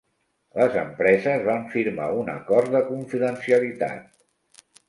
Les empreses van firmar un acord de confidencialitat.